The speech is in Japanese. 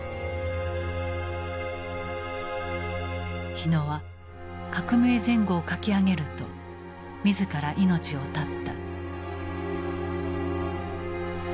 火野は「革命前後」を書き上げると自ら命を絶った。